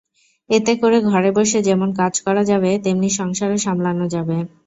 এতে করে ঘরে বসে যেমন কাজ করা যাবে, তেমনি সংসারও সামলানো যাবে।